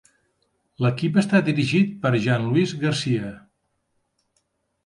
L'equip està dirigit per Jean-Louis García.